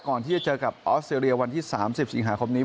ก่อนที่จะเจอกับออสเตรเลียวันที่๓๐สิงหาคมนี้